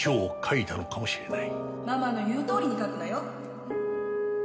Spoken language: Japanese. ママの言うとおりに書くのよ。